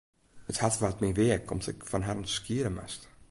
It hart waard my weak om't ik fan harren skiede moast.